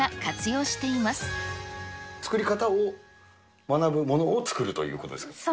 作り方を学ぶものを作るといそうです。